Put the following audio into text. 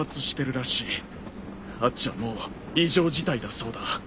あっちはもう異常事態だそうだ。